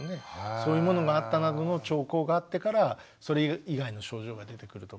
そういうものがあったなどの兆候があってからそれ以外の症状が出てくるとか。